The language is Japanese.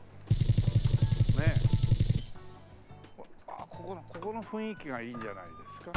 あっここの雰囲気がいいんじゃないですか？